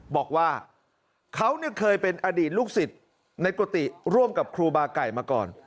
บอกว่าเขาเคยเป็นอดีตลูกศิษย์ในกุฏิร่วมกับครูบาไก่มาก่อน